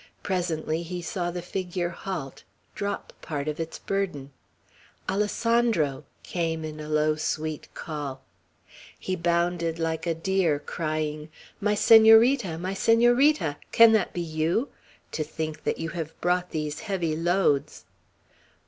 Presently he saw the figure halt, drop part of its burden. "Alessandro!" came in a sweet, low call. He bounded like a deer, crying, "My Senorita! my Senorita! Can that be you? To think that you have brought these heavy loads!"